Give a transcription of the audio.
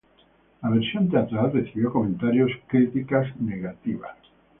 La versión teatral recibió comentarios críticas negativas.